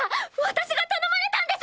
私が頼まれたんです！